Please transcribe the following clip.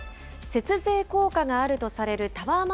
節税効果があるとされるタワーマ